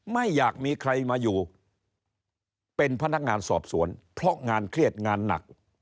ไม่อยากมีใครมาอยู่เป็นพนักงานสอบสวนเพราะงานเครียดงานหนัก